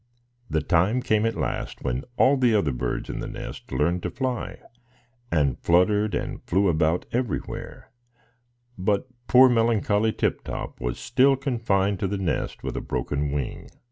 The time came at last when all the other birds in the nest learned to fly, and fluttered and flew about everywhere; but poor melancholy Tip Top was still confined to the nest with a broken wing.